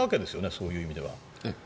そういう意味では。